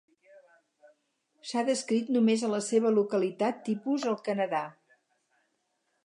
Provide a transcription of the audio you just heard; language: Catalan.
S’ha descrit només a la seva localitat tipus, al Canadà.